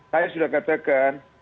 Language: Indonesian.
saya sudah katakan